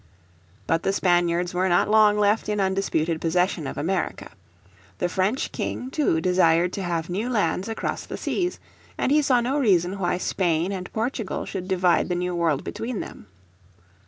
But the Spaniards were not long left in undisputed possession of America. The French King too desired to have new lands across the seas, and he saw no reason why Spain and Portugal should divide the New World between them.